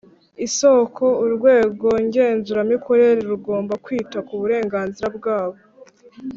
isoko Urwego ngenzuramikorere rugomba kwita kuburenganzira bwabo